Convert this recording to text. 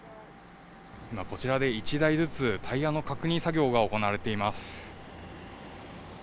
今、こちらで１台ずつ、タイヤの確認作業が行われています。